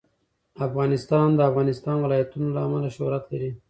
افغانستان د د افغانستان ولايتونه له امله شهرت لري.